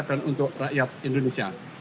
dan untuk rakyat indonesia